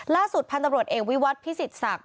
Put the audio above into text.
ล่าสุดพันธุ์ตำรวจเอกวิวัตรพิสิทธศักดิ